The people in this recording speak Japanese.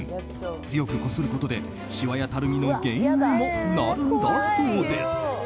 強くこすることでしわやたるみの原因にもなるんだそうです。